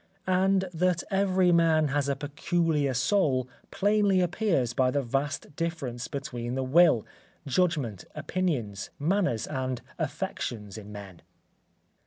And that every man has a peculiar soul plainly appears by the vast difference between the will, judgment, opinions, manners, and affections in men.